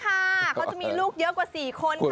เขาจะมีลูกเยอะกว่า๔คนค่ะ